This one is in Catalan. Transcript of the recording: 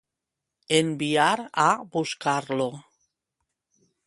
Enviar a buscar-lo.